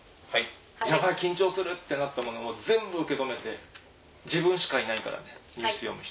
「やばい緊張する」ってなったものも全部受け止めて自分しかいないからねニュース読む人。